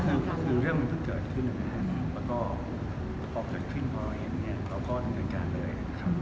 ก็คือเรื่องมันเพิ่งเกิดขึ้นและพอพอขึ้นเพราะงั้นเราก็ดึงกันกันเลย